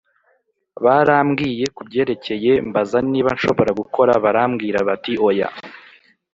barambwiye kubyerekeye mbaza niba nshobora gukora barambwira bati oya.